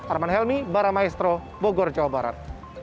arman helmi baramaestro bogor jawa barat